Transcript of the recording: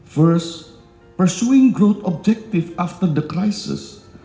pertama memperoleh objektif pembesaran setelah krisis